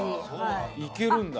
いけるんだ。